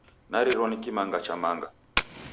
Narirwa ni kimanga cha manga.